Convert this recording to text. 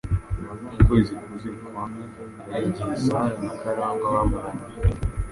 Ukwezi kuzuye kwamye ari igihe Sarah na Karangwa bamaranye.